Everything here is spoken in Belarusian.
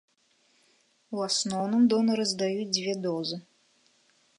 У асноўным донары здаюць дзве дозы.